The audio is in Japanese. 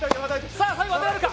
さあ、最後当てられるか！